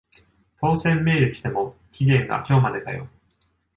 当選メール来ても期限が今日までかよ